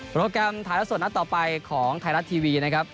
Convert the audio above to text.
โปรดกรรมไทรัสส่วนนัดต่อไปของไทรัสทีวีนะครับ